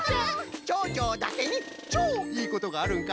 ちょうちょうだけにちょういいことがあるんか。